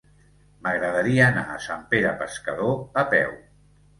M'agradaria anar a Sant Pere Pescador a peu.